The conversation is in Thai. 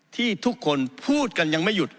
ที่ทุกคนพูดกันยังไม่หยุด